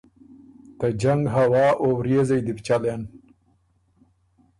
ته جنګ هوا او وريېځئ دی بو چلېن۔